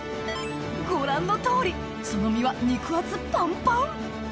ご覧の通りその身は肉厚パンパン！